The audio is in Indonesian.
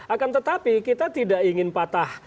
akan tetapi kita tidak ingin patah